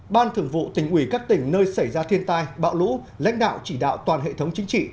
ban thường vụ tỉnh ủy các tỉnh nơi xảy ra thiên tai bão lũ lãnh đạo chỉ đạo toàn hệ thống chính trị